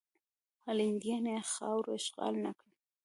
هالنډیان یې خاوره اشغال نه کړي.